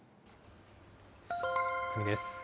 次です。